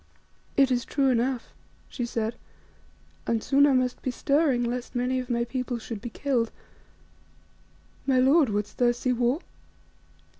"It is true enough," she said, "and soon I must be stirring lest many of my people should be killed. My lord, wouldst thou see war?